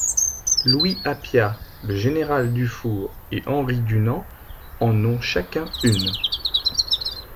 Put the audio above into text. Louis Appia, le Général Dufour et Henri Dunant en ont chacun une.